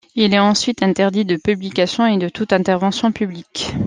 Il est ensuite interdit de publication et de toute intervention publique.